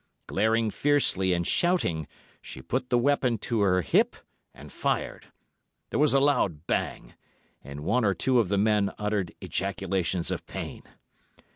Glaring fiercely and shouting, she put the weapon to her hip and fired. There was a loud bang, and one or two of the men uttered ejaculations of pain.